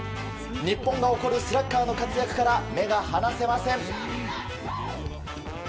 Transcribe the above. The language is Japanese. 日本が誇るスラッガーの活躍から目が離せません！